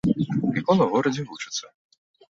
Мікола ў горадзе вучыцца.